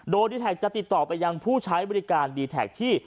โดยดีแท็กจะติดต่อไปยังผู้ใช้บริการดีแท็กที่